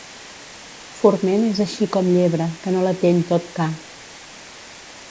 Forment és així com llebre, que no l'ateny tot ca.